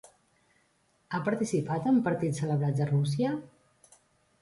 Ha participat en partits celebrats a Rússia?